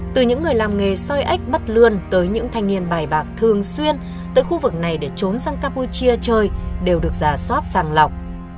từ những người làm nghề xoay ếch bắt lươn tới những thanh niên bài bạc thường xuyên tới khu vực này để trốn sang campuchia chơi đều được giả soát sàng lọc